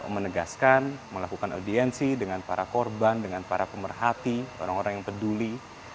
menegaskan melakukan audiensi dengan para korban dengan para pemerhati orang orang yang peduli